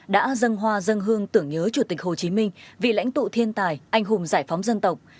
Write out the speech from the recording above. đã dâng hoa dân hương tưởng nhớ chủ tịch hồ chí minh vị lãnh tụ thiên tài anh hùng giải phóng dân tộc